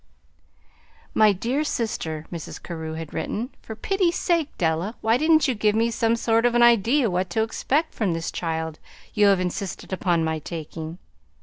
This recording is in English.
"My dear Sister," Mrs. Carew had written. "For pity's sake, Della, why didn't you give me some sort of an idea what to expect from this child you have insisted upon my taking?